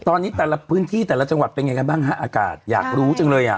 ตอนนี้แต่ละพื้นที่แต่ละจังหวัดเป็นไงกันบ้างฮะอากาศอยากรู้จังเลยอ่ะ